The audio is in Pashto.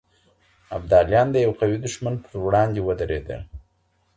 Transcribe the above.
ابداليان د يو قوي دښمن پر وړاندې ودرېدل.